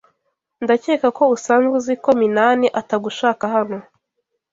Ndakeka ko usanzwe uzi ko Minani atagushaka hano.